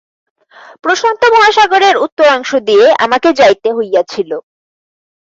প্রশান্ত মহাসাগরের উত্তরাংশ দিয়া আমাকে যাইতে হইয়াছিল।